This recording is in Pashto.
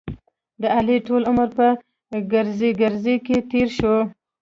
د علي ټول عمر په ګړزې ګړوزې کې تېر شو.